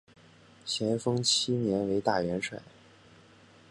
咸丰七年为大元帅。